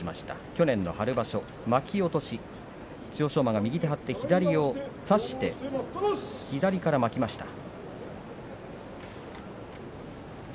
去年の春場所、巻き落とし千代翔馬が右で張って左を差して左から巻きました。